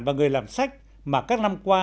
và người làm sách mà các năm qua